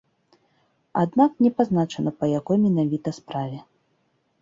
Аднак не пазначана па якой менавіта справе.